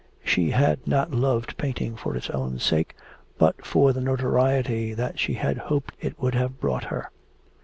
She had not loved painting for its own sake, but for the notoriety that she had hoped it would have brought her.